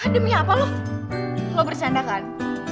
demi apa lo lo bersanda kan